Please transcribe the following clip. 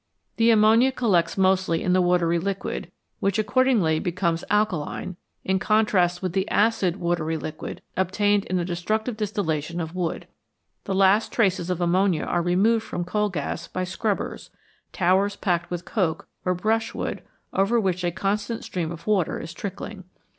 The ammonia collects mostly in the watery liquid, which accordingly becomes u/ku/ine, in contrast with the acid watery liquid obtained in the destructive distillation of wood. The last traces of ammonia are removed from coal gas by " scrubbers " towers packed with coke or brushwood over which a constant stream of water is trickling.